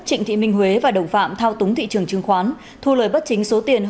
trịnh thị minh huế và đồng phạm thao túng thị trường chứng khoán thu lời bất chính số tiền